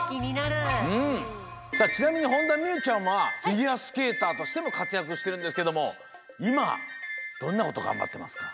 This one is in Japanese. さあちなみに本田望結ちゃんはフィギュアスケーターとしてもかつやくしてるんですけどもいまどんなことがんばってますか？